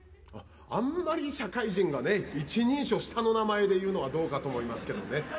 あんまり社会人がね、一人称、下の名前で言うのはどうかと思いますけどね。